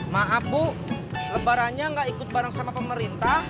maaf bu lebarannya nggak ikut bareng sama pemerintah